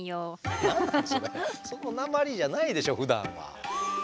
そのなまりじゃないでしょうふだんは。